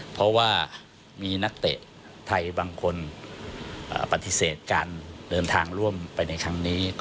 เพราะว่ามีนักเตะไทยบางคนปฏิเสธการเดินทางร่วมไปในครั้งนี้